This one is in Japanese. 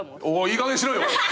いいかげんにしろよ。